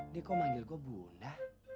dia kok manggil gue bunda